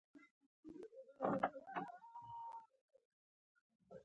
د پورته څرګندونو له مخې انقباض توضیح کړئ.